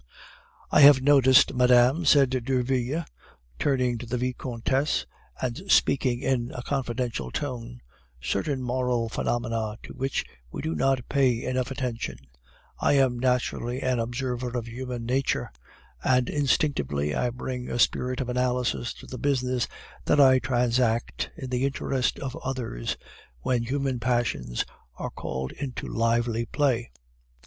"I have noticed, madame," said Derville, turning to the Vicomtesse, and speaking in a confidential tone, "certain moral phenomena to which we do not pay enough attention. I am naturally an observer of human nature, and instinctively I bring a spirit of analysis to the business that I transact in the interest of others, when human passions are called into lively play.